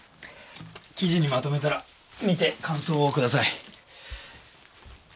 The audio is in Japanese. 記事にまとめたら見て感想をください。